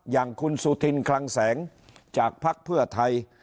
อย่างคุณสุธินคลังแสงจากภักดิ์เพื่อไทย